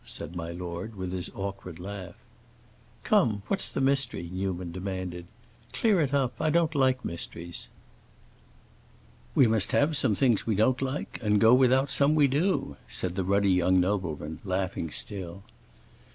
said my lord, with his awkward laugh. "Come; what's the mystery?" Newman demanded. "Clear it up. I don't like mysteries." "We must have some things we don't like, and go without some we do," said the ruddy young nobleman, laughing still.